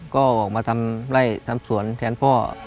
ก็ออกมาทำไล่ทำสวนแทนพ่อ